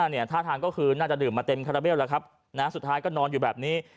เนี่ยท่าทางก็คือน่าจะดื่มมาเต็มคาราเบลแล้วครับนะสุดท้ายก็นอนอยู่แบบนี้